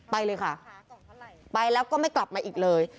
ไปเลยค่ะไปแล้วก็ไม่กลับมาอีกเลย